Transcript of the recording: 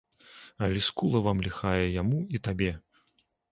Але скула вам ліхая, яму і табе!